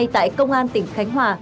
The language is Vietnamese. tại công an tỉnh khánh hòa